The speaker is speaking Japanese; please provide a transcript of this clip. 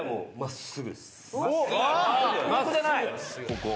ここ。